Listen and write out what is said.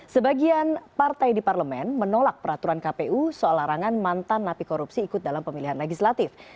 sebagian partai di parlemen menolak peraturan kpu soal larangan mantan napi korupsi ikut dalam pemilihan legislatif